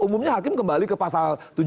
umumnya hakim kembali ke pasal tujuh puluh tujuh